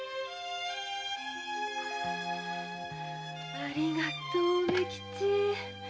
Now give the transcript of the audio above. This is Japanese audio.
ありがとう梅吉。